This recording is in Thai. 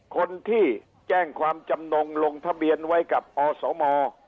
คนที่แจ้งความจำนงลงทะเบียนไว้กับอสม